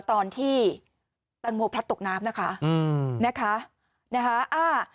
ตอนที่แตงโมพลัดตกน้ำนะคะ